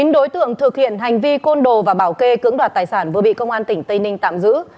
chín đối tượng thực hiện hành vi côn đồ và bảo kê cưỡng đoạt tài sản vừa bị công an tỉnh tây ninh tạm giữ